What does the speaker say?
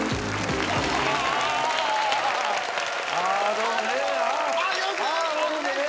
どうもね。